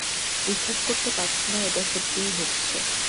বিশ্বাস করতে পারছি না এটা সত্যিই হচ্ছে।